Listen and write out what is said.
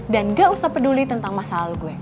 dan gak usah peduli tentang masalah lo gue